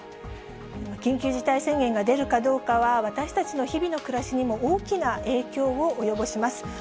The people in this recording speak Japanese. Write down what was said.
緊急事態宣言が出るかどうかは、私たちの日々の暮らしにも大きな影響を及ぼします。